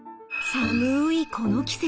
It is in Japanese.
寒いこの季節。